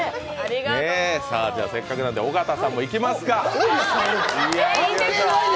せっかくなので尾形さんもいきますか。